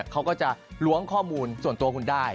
เขาก็จะล้วงข้อมูลส่วนตัวคุณได้